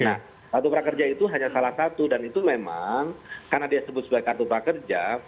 nah kartu prakerja itu hanya salah satu dan itu memang karena dia sebut sebagai kartu prakerja